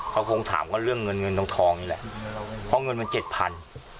เพราะเงินมัน๗๐๐๐